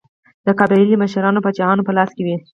د قبایلي مشرانو او پاچاهانو په لاس کې وې.